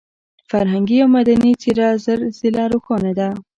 فرهنګي او مدني څېره زر ځله روښانه ده.